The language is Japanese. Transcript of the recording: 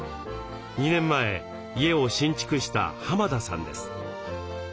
２年前家を新築した田さんです。